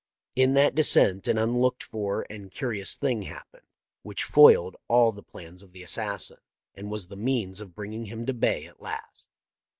In that descent an unlooked for and curious thing happened, which foiled all the plans of the assassin and was the means of bringing him to bay at last.